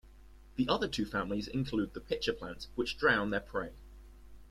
The other two families include pitcher plants, which drown their prey.